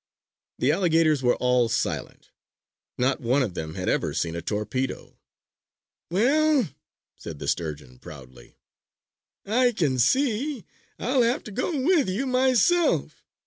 The alligators were all silent. Not one of them had ever seen a torpedo. "Well," said the Sturgeon, proudly, "I can see I'll have to go with you myself.